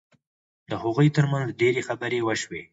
د هغوی ترمنځ ډېرې خبرې وشوې